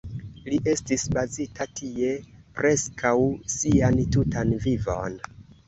Li estis bazita tie preskaŭ sian tutan vivon.